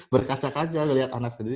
berkaca kaca melihat anak sendiri